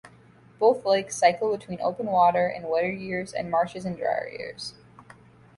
Both lakes cycle between open water in wetter years and marshes in drier years.